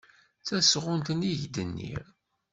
D tasɣunt-nni i k-d-nniɣ.